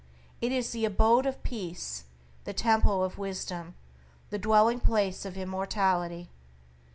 It is the abode of peace, the temple of wisdom, the dwelling place of immortality.